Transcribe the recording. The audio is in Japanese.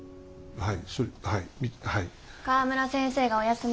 はい。